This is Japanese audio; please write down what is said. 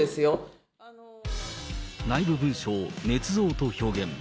内部文書をねつ造と表現。